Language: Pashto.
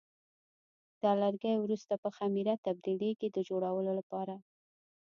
دا لرګي وروسته په خمېره تبدیلېږي د جوړولو لپاره.